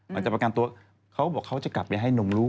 จะประกันตัวเขาบอกเขาจะกลับไปให้นมลูก